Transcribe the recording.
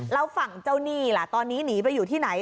แล้วฝั่งเจ้าหนี้ล่ะตอนนี้หนีไปอยู่ที่ไหน